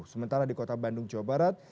sementara di kota bandung jawa barat